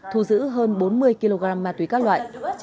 thu giữ hơn bốn mươi kg ma túy các loại